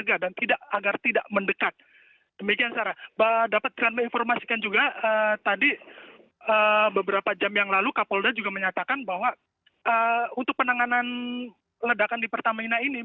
saya ingin menyatakan juga tadi beberapa jam yang lalu kapolda juga menyatakan bahwa untuk penanganan ledakan di pertamina ini